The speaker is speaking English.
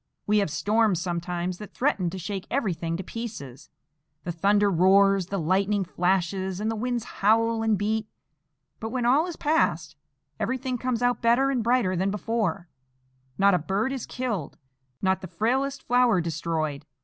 We have storms sometimes that threaten to shake everything to pieces,—the thunder roars, the lightning flashes, and the winds howl and beat; but, when all is past, everything comes out better and brighter than before,—not a bird is killed, not the frailest flower destroyed.